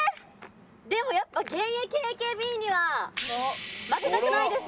でもやっぱ現役ＡＫＢには負けたくないですね。